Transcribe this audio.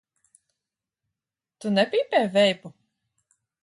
Tu nepīpē veipu?